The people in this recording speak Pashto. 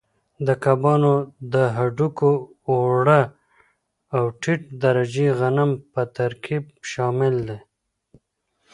د کبانو د هډوکو اوړه او ټیټ درجې غنم په ترکیب کې شامل دي.